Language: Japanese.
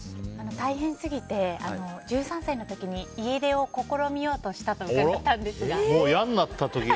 大変すぎて、１３歳の時に家出を試みようとしたと嫌になった時が？